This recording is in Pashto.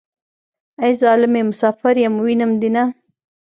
ای ظالمې مسافر يم وينم دې نه.